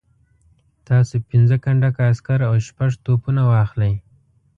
تاسو پنځه کنډکه عسکر او شپږ توپونه واخلئ.